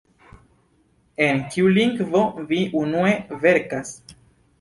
En kiu lingvo vi unue verkas?